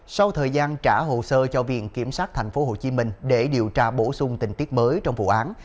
sau thời gian trả hồ sơ cho viện kiểm sát tp hcm để điều tra bổ sung tình tiết mới trong vụ án